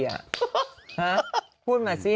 ห้าพูดมาสิ